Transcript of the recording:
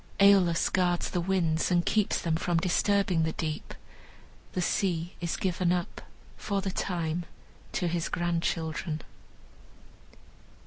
Aeolus guards the winds and keeps them from disturbing the deep. The sea is given up, for the time, to his grandchildren.